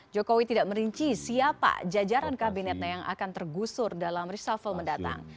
jokowi tidak merinci siapa jajaran kabinetnya yang akan tergusur dalam reshuffle mendatang